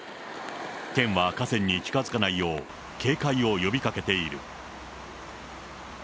県は河川に近づかないよう警戒を呼びかけている。